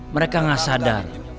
mereka gak sadar